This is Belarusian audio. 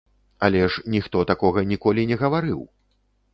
Але ж ніхто такога ніколі не гаварыў!